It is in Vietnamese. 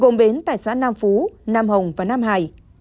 gồm bến tại xã nam phú nam hồng và nam hải